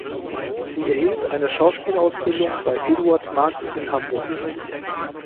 Sie erhielt eine Schauspielausbildung bei Eduard Marks in Hamburg.